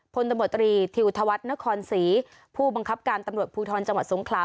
พลตำรวจตรีทิวธวัฒนครศรีผู้บังคับการตำรวจภูทรจังหวัดสงขลา